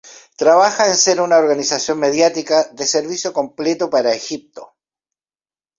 Trabaja en ser una organización mediática de servicio completo para Egipto.